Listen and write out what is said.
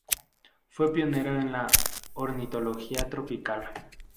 Fue pionero de la ornitología tropical.